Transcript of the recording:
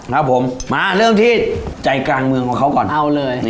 ขอเรื่องที่ใขกลางเมืองกับเคราะห์เขาก่อน